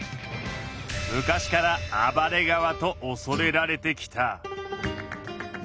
昔から「暴れ川」とおそれられてきた。